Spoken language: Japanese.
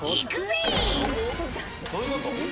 どういうこと？